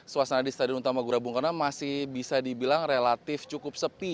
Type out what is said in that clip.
suasana di stadion utama gelora bung karno masih bisa dibilang relatif cukup sepi